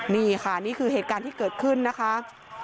นี่ค่ะนี่คือเหตุการณ์ที่เกิดขึ้นนะคะ